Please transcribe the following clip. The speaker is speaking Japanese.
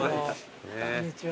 こんにちは。